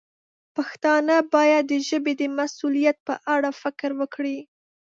پښتانه باید د ژبې د مسوولیت په اړه فکر وکړي.